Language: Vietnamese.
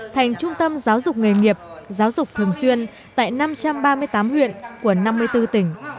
thành trung tâm giáo dục nghề nghiệp giáo dục thường xuyên tại năm trăm ba mươi tám huyện của năm mươi bốn tỉnh